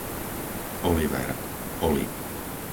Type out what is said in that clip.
Oliver, Oli